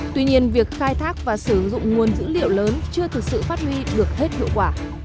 tuy nhiên việc khai thác và sử dụng nguồn dữ liệu lớn chưa thực sự phát huy được hết hiệu quả